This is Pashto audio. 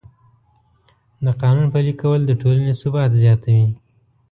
د قانون پلي کول د ټولنې ثبات زیاتوي.